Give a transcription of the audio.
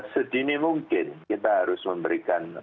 sedini mungkin kita harus memberikan